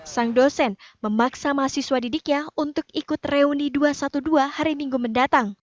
sang dosen memaksa mahasiswa didiknya untuk ikut reuni dua ratus dua belas hari minggu mendatang